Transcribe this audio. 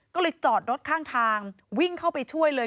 ก็เลยจอดรถข้างทางวิ่งเข้าไปช่วยเลย